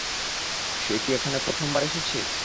সে কি এখানে প্রথমবার এসেছে?